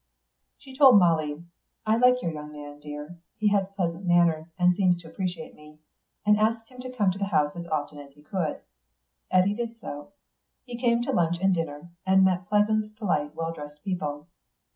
She told Molly, "I like your young man, dear; he has pleasant manners, and seems to appreciate me," and asked him to come to the house as often as he could. Eddy did so. He came to lunch and dinner, and met pleasant, polite, well dressed people.